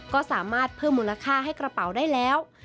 ก็สามารถเพิ่มมูลค่าให้กระเป๋าได้แล้ว